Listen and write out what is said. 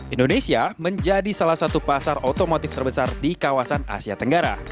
indonesia menjadi salah satu pasar otomotif terbesar di kawasan asia tenggara